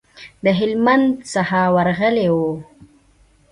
د هلمند څخه ورغلي وو.